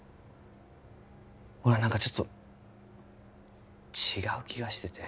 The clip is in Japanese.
俺は何かちょっと違う気がしてて